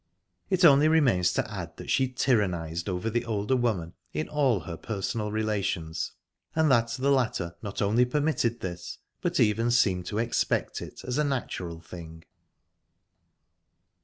It only remains to add that she tyrannised over the older woman in all her personal relations, and that the latter not only permitted this, but even seemed to expect it as a natural thing.